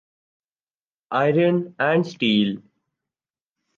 iron and steel